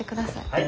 はい。